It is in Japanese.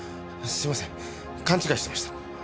すいません勘違いしてました。